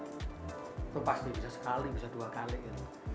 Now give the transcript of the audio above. itu pasti bisa sekali bisa dua kali gitu